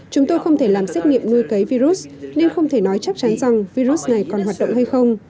chúng tôi không thể làm xét nghiệm nuôi cấy virus nên không thể nói chắc chắn rằng virus này còn hoạt động hay không